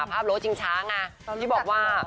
ภาพโร่ชิงช้างที่บอกว่า